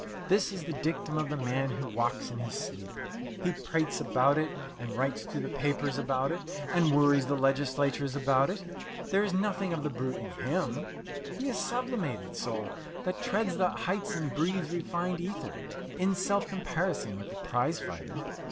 This is the dictum of the man who walks in his sleep. He prates about it, and writes to the papers about it, and worries the legislators about it. There is nothing of the brute about him. He is a sublimated soul that treads the heights and breathes refined ether in self comparison with the prize fighter.